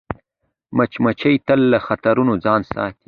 مچمچۍ تل له خطرونو ځان ساتي